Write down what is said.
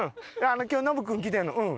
今日ノブ君来てるのうん。